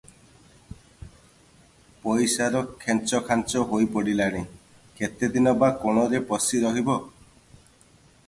ପଇସାର ଖେଞ୍ଚଖାଞ୍ଚ ହୋଇ ପଡିଲାଣି, କେତେଦିନ ବା କୋଣରେ ପଶି ରହିବ?